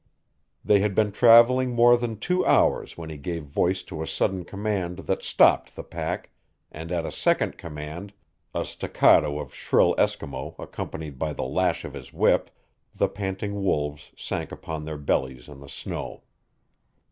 They had been traveling more than two hours when he gave voice to a sudden command that stopped the pack, and at a second command a staccato of shrill Eskimo accompanied by the lash of his whip the panting wolves sank upon their bellies in the snow.